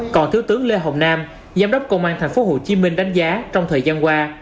còn thứ tướng lê hồng nam giám đốc công an thành phố hồ chí minh đánh giá trong thời gian qua